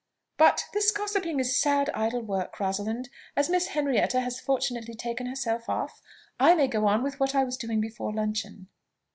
But this gossiping is sad idle work, Rosalind: as Miss Henrietta has fortunately taken herself off, I may go on with what I was doing before luncheon."